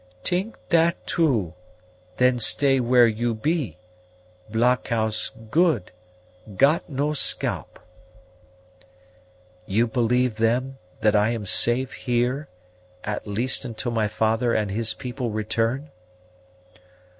"T'ink that too; then stay where you be blockhouse good got no scalp." "You believe, then, that I am safe here, at least until my father and his people return?"